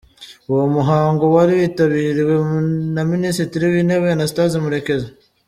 Uwo muhango wari witabiriwe na Minisitiri w’Intebe, Anastase Murekezi.